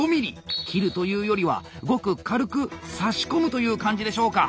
切るというよりはごく軽く差し込むという感じでしょうか。